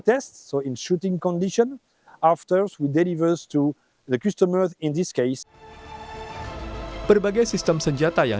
kami akan melakukan ujian terakhir dalam kondisi tembakan